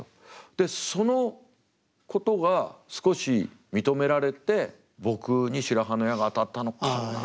でそのことが少し認められて僕に白羽の矢が当たったのかなあ。